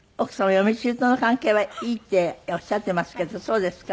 「嫁姑の関係はいい」っておっしゃってますけどそうですか？